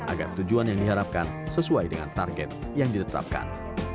agar tujuan yang diharapkan sesuai dengan target yang ditetapkan